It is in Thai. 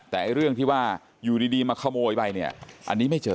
แต่เรื่องที่ว่าอยู่ดีมาขโมยไปเนี่ยอันนี้ไม่เจอ